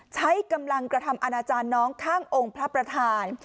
ใช้กำลังกระทำอาณาจารย์น้องข้างองค์พระประธาน